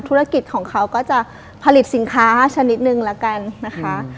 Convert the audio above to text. ธุรกิจของเขาก็จะผลิตสินค้าชนิดนึงละกันนะคะ